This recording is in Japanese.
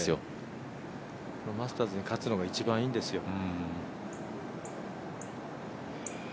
マスターズで勝つのが一番いいんですよね。